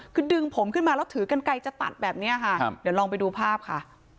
คือดึงผมขึ้นมาแล้วถือกันไกลจะตัดแบบนี้ค่ะเดี๋ยวลองไปดูภาพค่ะ